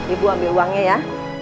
ibu ambil uangnya ya